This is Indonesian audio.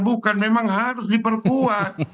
bukan memang harus diperkuat